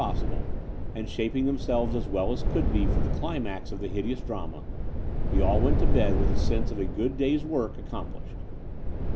possible, and shaping themselves as well as could be for the climax of the hideous drama, we all went to bed with the sense of a good day's work accom plished.